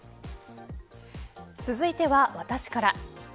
続いては、私から。